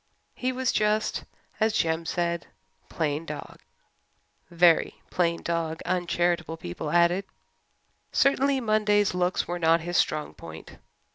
He was just, as Jem said, "plain dog" very plain dog, uncharitable people added. Certainly, Monday's looks were not his strong point.